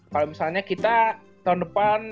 kalau misalnya kita tahun depan